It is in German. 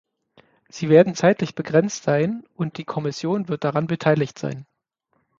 Sie werden zeitlich begrenzt sein, und die Kommission wird daran beteiligt sein.